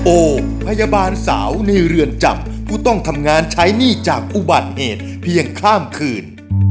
โอพยาบาลสาวในเรือนจำผู้ต้องทำงานใช้หนี้จากอุบัติเหตุเพียงข้ามคืน